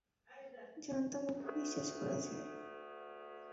জানতাম ওকে বিশ্বাস করা যায়।